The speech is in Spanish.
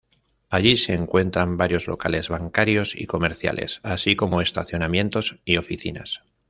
Allí se encuentran varios locales bancarios y comerciales, así como estacionamientos y oficinas.